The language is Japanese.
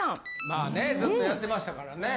まあねずっとやってましたからね。